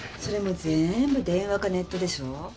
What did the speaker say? それも全部電話かネットでしょ？